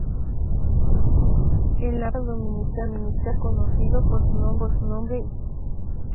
En la pelota dominicana era conocido por su nombre "William".